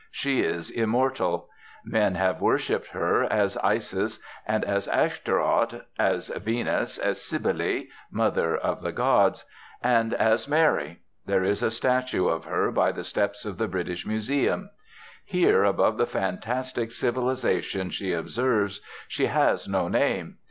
She is immortal. Men have worshipped her as Isis and as Ashtaroth, as Venus, as Cybele, Mother of the Gods, and as Mary. There is a statue of her by the steps of the British Museum. Here, above the fantastic civilisation she observes, she has no name.